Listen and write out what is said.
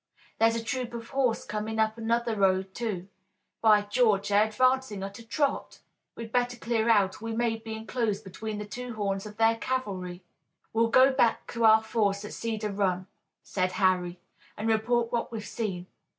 "There's a troop of horse coming up another road, too. By George, they're advancing at a trot! We'd better clear out or we may be enclosed between the two horns of their cavalry." "We'll go back to our force at Cedar Run," said Harry, "and report what we've seen.